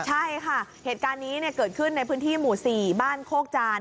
ใช่ค่ะเหตุการณ์นี้เกิดขึ้นในพื้นที่หมู่๔บ้านโคกจาน